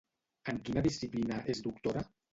En quina disciplina és doctora?